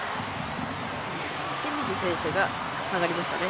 清水選手が下がりましたね。